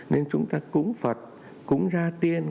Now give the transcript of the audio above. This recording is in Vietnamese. nên chúng ta cúng phật cúng ra tiên